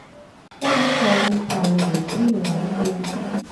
Tyler's hometown was Winona, Mississippi.